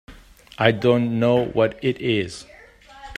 I don't know what it is.